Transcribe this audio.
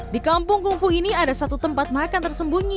di kampung gungfu ini ada satu tempat makan tersembunyi